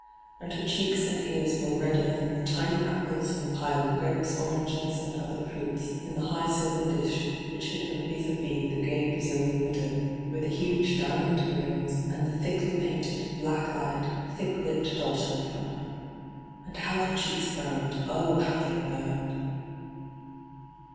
And her cheeks and ears were redder than the tiny hyGoogIc 158 ENTRAPPED appleB in the pile of grapes, oranges, and other fruits in the high silver dish which hid her vis & vis, the gay Brazilian widow with the huge diamond earrings, and tke thickly painted, black eyed, thick lipped daughter, from her. And how her cheeks burned ! Oh, how they burned!